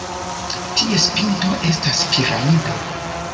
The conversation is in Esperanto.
Ties pinto estas piramido.